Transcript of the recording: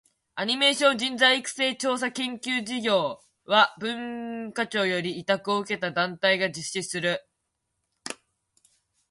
アニメーション人材育成調査研究事業（アニメーションじんざいいくせいちょうさけんきゅうじぎょう）は、文化庁より委託を受けた団体（後述）が実施する、日本におけるアニメーター等の人材育成事業である。